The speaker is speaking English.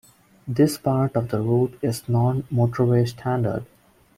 This part of the route is non-motorway standard.